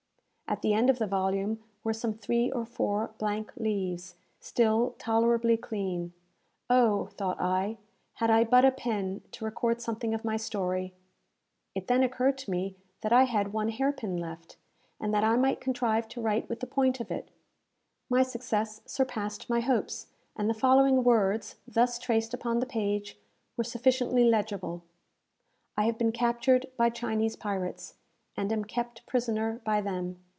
At the end of the volume were some three or four blank leaves, still tolerably clean. "Oh," thought I, "had I but a pen, to record something of my story!" It then occurred to me that I had one hair pin left, and that I might contrive to write with the point of it. My success surpassed my hopes, and the following words, thus traced upon the page, were sufficiently legible: "I have been captured by Chinese pirates, and am kept prisoner by them.